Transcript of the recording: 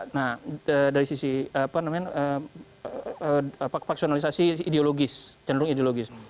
nah dari sisi paksionalisasi ideologis cenderung ideologis